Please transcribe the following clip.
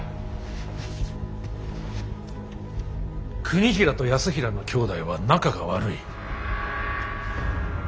国衡と泰衡の兄弟は仲が悪い。